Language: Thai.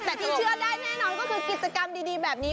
แต่ที่เชื่อได้แน่นอนก็คือกิจกรรมดีแบบนี้